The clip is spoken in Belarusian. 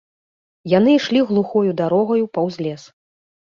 Яны ішлі глухою дарогаю паўз лес.